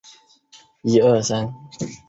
后任法国驻伦敦大使。